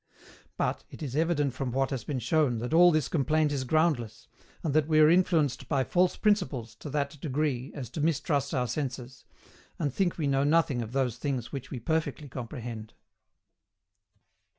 But, it is evident from what has been shown that all this complaint is groundless, and that we are influenced by false principles to that degree as to mistrust our senses, and think we know nothing of those things which we perfectly comprehend.